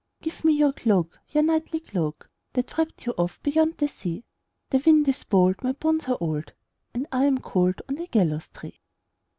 "Give me your cloak, your knightly cloak, That wrapped you oft beyond the sea; The wind is bold, my bones are old, And I am cold on the gallows tree."